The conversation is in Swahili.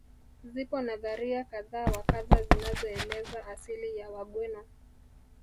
Zipo nadharia kadha wa kadha zinazoeleza asili ya wagweno